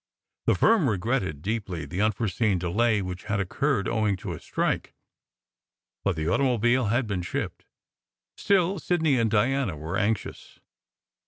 The firm regretted deeply the unforeseen delay which had occurred owing to a strike, but the automobile had been shipped. Still Sidney and Diana were anxious.